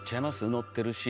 ノってるし。